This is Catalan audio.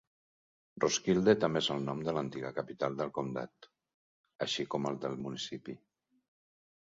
Roskilde també és el nom de l'antiga capital del comtat, així com el del municipi.